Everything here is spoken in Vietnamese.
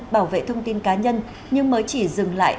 bảo vệ thông tin cá nhân nhưng mới chỉ dừng lại